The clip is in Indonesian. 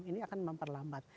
ini akan memperlambat